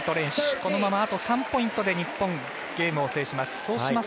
このままあと３ポイントで日本、ゲームを制します。